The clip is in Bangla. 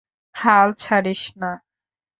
হাল ছাড়িস না।